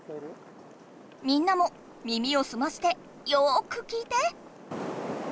みんなも耳をすましてよく聞いて！